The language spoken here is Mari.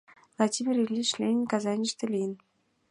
Владимир Ильич Ленин Казаньыште лийын.